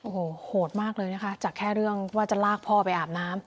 โอ้โหโหดมากเลยนะคะจากแค่เรื่องว่าจะลากพ่อไปอาบน้ำ